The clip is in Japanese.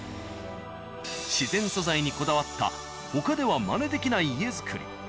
自然素材にこだわった他ではまねできない家造り。